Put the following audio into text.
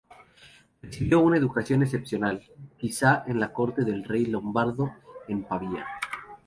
Recibió una educación excepcional, quizá en la corte del rey lombardo en Pavía.